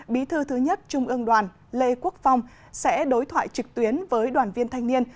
bí thư thứ nhất trung ương đoàn lê quốc phong sẽ đối thoại trực tuyến với đoàn viên thanh niên